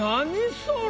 それ。